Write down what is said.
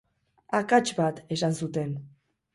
Akats bat, esan zuten.